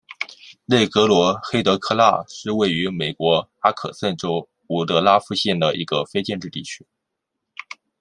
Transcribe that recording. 内格罗黑德科纳是位于美国阿肯色州伍德拉夫县的一个非建制地区。